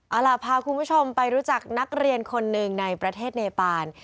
เอาล่ะพาคุณผู้ชมไปรู้จักนักเรียนคนหนึ่งในประเทศเนปาน